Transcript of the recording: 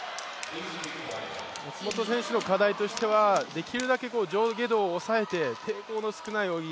松元選手の課題としてはできるだけ上下移動を抑えて抵抗の少ない泳ぎ。